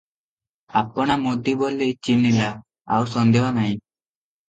ଆପଣା ମୁଦି ବୋଲି ଛିହ୍ନିଲା, ଆଉ ସନ୍ଦେହ ନାହିଁ ।